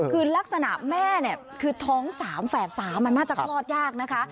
คือลักษณะแม่คือท้องสามแฝดสามมันน่าจะคลอดยากนะคะ